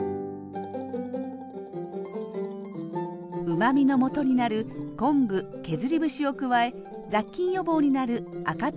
うまみのもとになる昆布削り節を加え雑菌予防になる赤とうがらし。